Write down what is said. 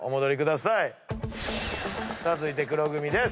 さあ続いて黒組です。